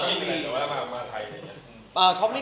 แต่ว่ามาไทยอย่างงี้